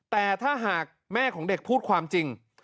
แต่ถ้าหากแม่ของเด็กพูดความจริง